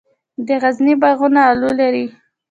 د غزني باغونه الو لري.